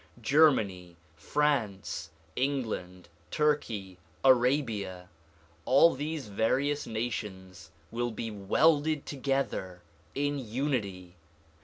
Germany. France. England. Turkey, Arabia— all these various nations will be welded together in unity.